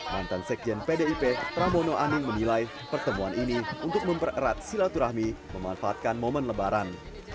mantan sekjen pdip ramono aning menilai pertemuan ini untuk mempererat silaturahmi memanfaatkan momen lebaran